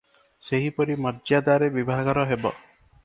ସେହିପରି ମର୍ଯ୍ୟାଦାରେ ବିଭାଘର ହେବ ।